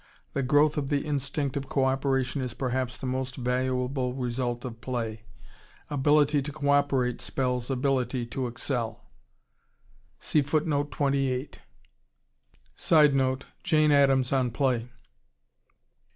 The growth of the instinct of co operation is perhaps the most valuable result of play.... Ability to co operate spells ability to excel. [Sidenote: Jane Addams on Play.